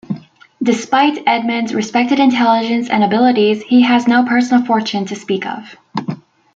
Despite Edmund's respected intelligence and abilities, he has no personal fortune to speak of.